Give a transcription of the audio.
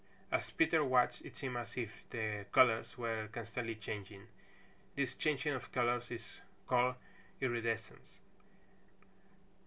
As Peter watched it seemed as if the colors were constantly changing. This changing of colors is called iridescence.